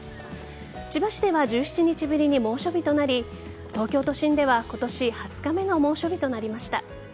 千葉市では１７日ぶりに猛暑日となり東京都心では今年２０日目の猛暑日となりました。